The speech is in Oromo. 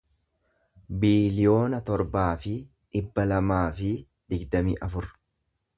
biiliyoona torbaa fi dhibba lamaa fi digdamii afur